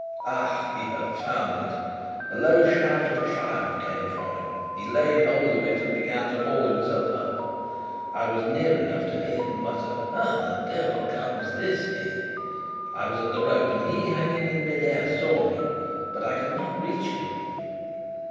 Ah, he had found it! A low shout of triumph came from him. He laid hold of it and began to haul himself up. I was near enough to hear him mutter: "How the devil comes this here?" I was at the rope, and he, hanging in mid air, saw me, but I could not reach him.